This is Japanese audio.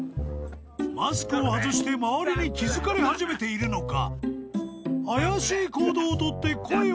［マスクを外して周りに気付かれ始めているのか］